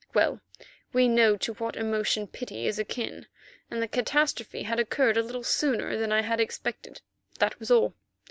Well, we know to what emotion pity is akin, and the catastrophe had occurred a little sooner than I had expected, that was all.